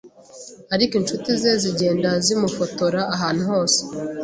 ariko inshuti ze zigenda zimufotora ahantu hose